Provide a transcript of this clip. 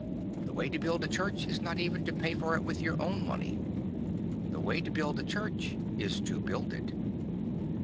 The way to build a church is not even to pay for it with your own money. The way to build a church is to build it.